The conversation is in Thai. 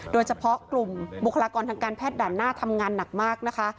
โดยเฉพาะกลุ่มบุคลากรทางการแพทย์ด่านหน้าทำงานหนักมากนะคะ